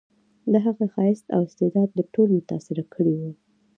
د هغې ښایست او استعداد ټول متاثر کړي وو